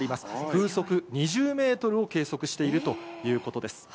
風速２０メートルを計測しているということです。